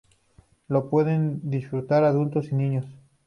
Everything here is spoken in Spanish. Lo pueden disfrutar adultos y niños.